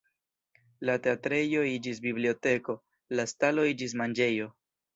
La teatrejo iĝis biblioteko, la stalo iĝis manĝejo.